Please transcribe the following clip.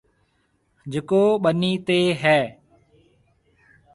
جڪو ٻنِي تي هيَ۔